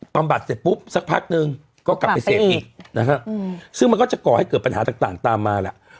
บัดเสร็จปุ๊บสักพักนึงก็กลับไปเสพอีกนะฮะซึ่งมันก็จะก่อให้เกิดปัญหาต่างตามมาแหละ